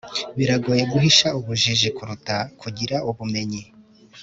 biragoye guhisha ubujiji kuruta kugira ubumenyi